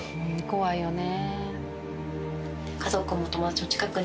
怖いよね。